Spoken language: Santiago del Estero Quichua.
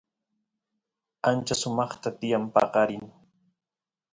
ancha sumaqta tiyan paqarin